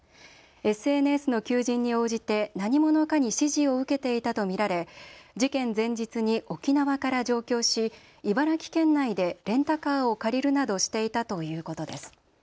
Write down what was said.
ＳＮＳの求人に応じて何者かに指示を受けていたと見られ事件前日に沖縄から上京し茨城県内でレンタカーを借りるなどしていたということです。